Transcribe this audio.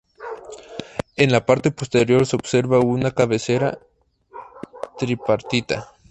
En la parte posterior se observa una cabecera tripartita.